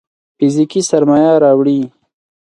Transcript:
فزيکي سرمايه راوړي.